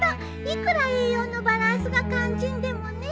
いくら栄養のバランスが肝心でもね。